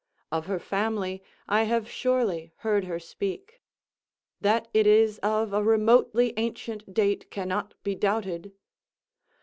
Of her family—I have surely heard her speak. That it is of a remotely ancient date cannot be doubted.